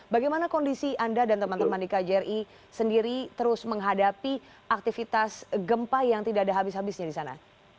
bagaimana kondisi anda dan teman teman di kjri sendiri terus menghadapi aktivitas gempa yang tidak ada habis habisnya di sana